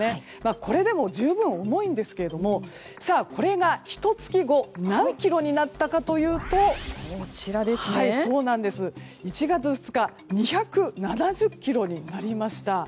これでも十分重いんですけれどもこれが、ひと月後何キロになったかというと１月２日２７０ｋｇになりました。